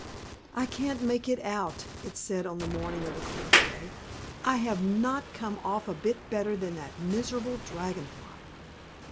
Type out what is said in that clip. "I can't make it out," it said on the morning of the fourth day. "I have not come off a bit better than that miserable Dragon Fly."